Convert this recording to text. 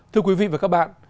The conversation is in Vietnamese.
thưa quý vị và các bạn